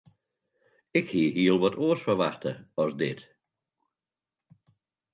Ik hie hiel wat oars ferwachte as dit.